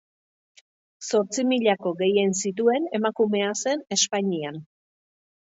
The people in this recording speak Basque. Zortzimilako gehien zituen emakumea zen Espainian.